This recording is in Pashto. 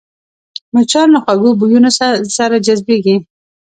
مچان له خوږو بویونو سره جذبېږي